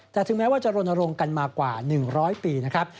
แต่ถึงแม้ว่าจะรณรงค์กันมากว่า๑๐๐ปีนะครับ